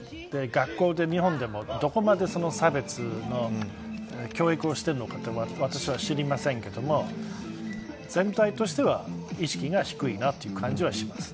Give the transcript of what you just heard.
学校で日本でも、どこまで差別の教育をしてるのかというのを私は知りませんけれども全体としては意識が低いなという感じはします。